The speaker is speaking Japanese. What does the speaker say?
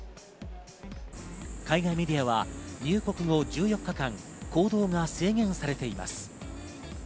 海外メディアは入国後１４日間、行動が制限されています。